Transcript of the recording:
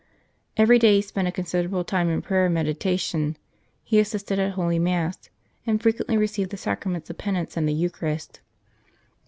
Every day he spent a considerable time in prayer and meditation, he assisted at Holy Mass, and frequently received the Sacraments of Penance and the Eucharist.